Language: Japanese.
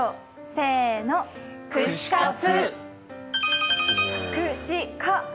せーの、串カツ。